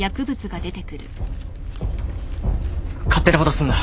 勝手なことすんな。